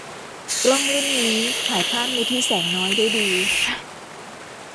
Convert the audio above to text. กล้องรุ่นนี้ถ่ายภาพในที่แสงน้อยได้ดี